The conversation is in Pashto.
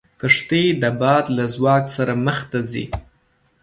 کښتۍ د باد له ځواک سره مخ ته ځي.